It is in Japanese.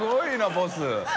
ボス）